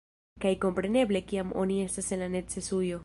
Kaj kompreneble kiam oni estas en la necesujo